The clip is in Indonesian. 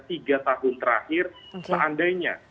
tiga tahun terakhir seandainya